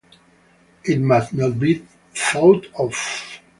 It must not be thought of.